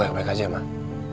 al kamu kan malam beli makan